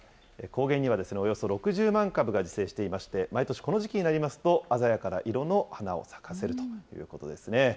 高原にはおよそ６０万株が自生していまして、毎年、この時期になりますと、鮮やかな色の花を咲かせるということですね。